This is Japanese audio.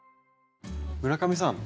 村上さん